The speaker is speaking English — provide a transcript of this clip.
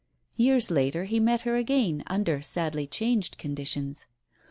Years later he met her again under sadly changed conditions.